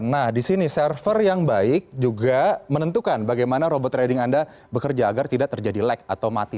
nah di sini server yang baik juga menentukan bagaimana robot trading anda bekerja agar tidak terjadi lag atau mati